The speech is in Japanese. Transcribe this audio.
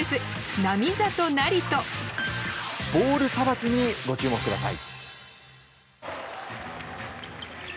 ボールさばきにご注目ください。